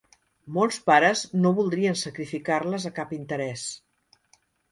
Molts pares no voldrien sacrificar-les a cap interès.